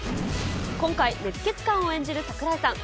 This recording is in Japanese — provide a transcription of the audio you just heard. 今回、熱血漢を演じる櫻井さん。